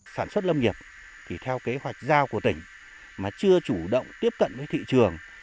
sản xuất lâm nghiệp thì theo kế hoạch giao của tỉnh mà chưa chủ động tiếp cận với thị trường